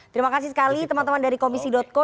terima kasih sekali teman teman dari komisi co